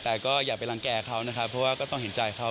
แต่ก็อย่าไปรังแก่เขานะครับเพราะว่าก็ต้องเห็นใจเขา